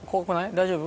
大丈夫？